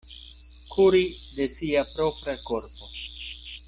Kuri de sia propra korpo.